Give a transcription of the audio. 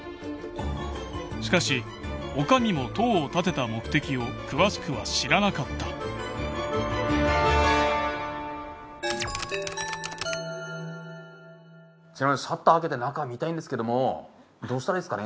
しかし女将も塔を建てた目的を詳しくは知らなかったシャッター開けて中見たいんですけどもどうしたらいいすかね？